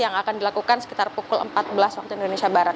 yang akan dilakukan sekitar pukul empat belas waktu indonesia barat